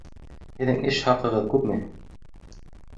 Һеҙҙең эш хаҡығыҙ күпме?